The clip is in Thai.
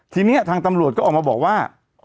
ทีนี้ทางตำรวจก็ออกมาบอกว่า